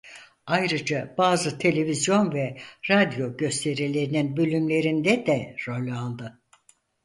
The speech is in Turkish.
Ayrıca bazı televizyon ve radyo gösterilerinin bölümlerinde de rol aldı.